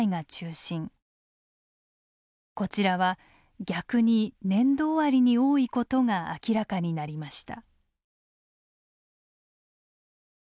こちらは逆に年度終わりに多いことが明らかになりました。